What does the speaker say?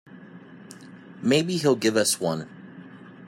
Maybe he'll give us one.